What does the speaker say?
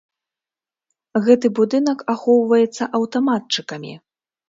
Гэты будынак ахоўваецца аўтаматчыкамі.